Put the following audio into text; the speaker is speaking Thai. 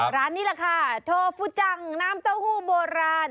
ร้านนี้แหละค่ะโทฟุจังน้ำเต้าหู้โบราณ